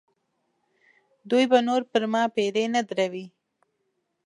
دوی به نور پر ما پیرې نه دروي.